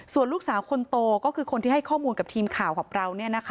ส่วนลูกสาวคนโตก็คือคนที่ให้ข้อมูลกับทีมข่าวของเรา